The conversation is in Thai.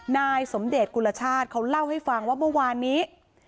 นายสมเดชกุลชาติเขาเล่าให้ฟังว่าเมื่อวานนี้